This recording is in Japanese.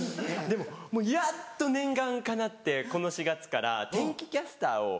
でももうやっと念願かなってこの４月から天気キャスターを。